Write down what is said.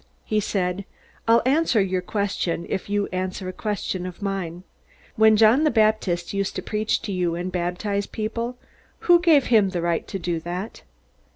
He said: "I'll answer your question if you answer a question of mine. When John the Baptist used to preach to you and baptize people, who gave him the right to do that?"